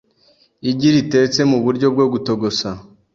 Igi ritetse muburyo bwo gitogosa